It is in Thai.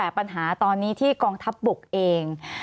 สวัสดีครับทุกคน